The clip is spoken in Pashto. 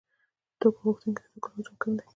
د توکو غوښتونکي د توکو له حجم کم دي